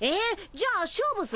じゃあ勝負する？